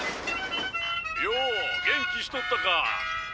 よお元気しとったか。